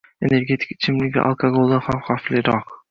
Energetik ichimliklar alkogoldan ham xavfliroq!